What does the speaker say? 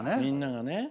みんながね。